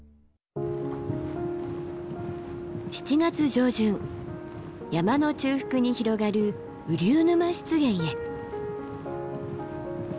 ７月上旬山の中腹に広がる雨竜沼湿原へ。